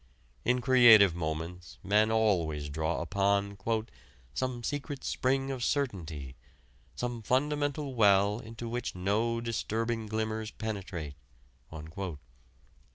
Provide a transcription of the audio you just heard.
In creative moments men always draw upon "some secret spring of certainty, some fundamental well into which no disturbing glimmers penetrate."